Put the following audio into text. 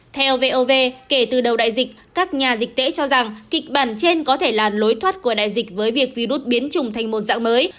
theo vov kể từ đầu đại dịch các nhà dịch tễ cho rằng kịch bản trên có thể là lối thoát của đại dịch với việc virus biến trùng thành một dạng mới